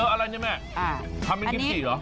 เอออะไรนะแม่ทำเป็นกิ้มสีเหรอ